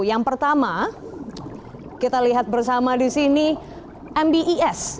yang pertama kita lihat bersama di sini mbes